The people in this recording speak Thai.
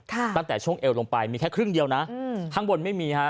ตั้งแต่ช่วงเอวลงไปมีแค่ครึ่งเดียวนะอืมข้างบนไม่มีฮะ